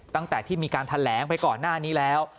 ตั้งแต่ที่มีการแถลงไปก่อนหน้านี้แล้ว